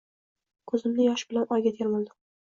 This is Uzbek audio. Kuzimda yosh bilan oyga termuldim